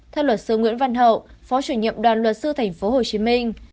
theo luật sư nguyễn văn hậu phó chủ nhiệm đoàn luật sư tp hcm